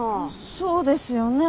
そうですよね。